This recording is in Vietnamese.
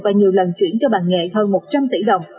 và nhiều lần chuyển cho bà nghệ hơn một trăm linh tỷ đồng